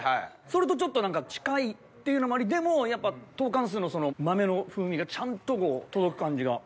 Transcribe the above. それとちょっと近いっていうのもありでもやっぱトーカンスーの豆の風味がちゃんと届く感じが。